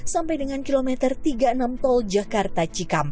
sampai dengan kilometer tiga puluh enam tol jakarta cikampek